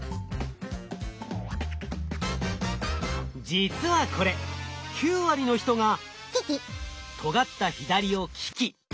実はこれ９割の人がとがった左をキキ。